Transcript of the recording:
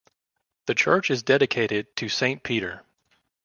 The church is dedicated to St Peter.